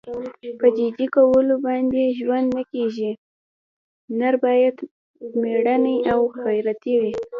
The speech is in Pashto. په جي جي کولو باندې ژوند نه کېږي. نر باید مېړنی او غیرتي وي.